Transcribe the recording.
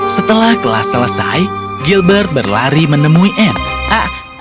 setelah kelas selesai gilbert berlari menemui anne